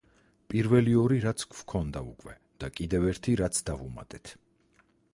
პირველი ორი, რაც გვქონდა უკვე და კიდევ ერთი რაც დავუმატეთ.